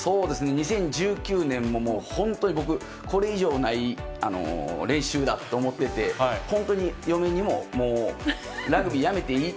２０１９年も、もう本当に僕、これ以上ない練習だと思ってて、本当に嫁にも、もうラグビー辞めていい？